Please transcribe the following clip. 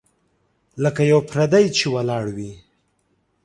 لکه یو پردی چي ولاړ وي .